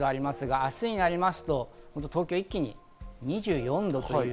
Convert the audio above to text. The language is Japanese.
明日になりますと東京は一気に２４度。